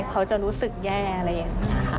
เขาจะรู้สึกแย่เลยนะคะ